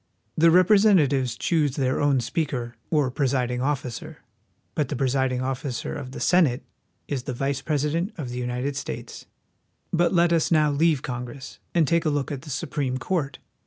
The representatives choose their own Speaker, or presiding officer; but the presiding officer of the Senate is the Vice President of the United States. A Page. THE SUPREME COURT. 33 But let us now leave Congress and take a look at the Supreme Court.